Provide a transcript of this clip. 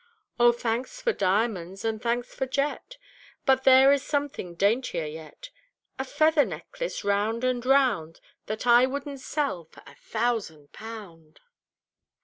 "O thanks for diamonds, and thanks for jet, But here is something daintier yet, A feather necklace round and round, That I wouldn't sell for a thousand pound!"